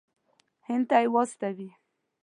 هند ته یې واستوي.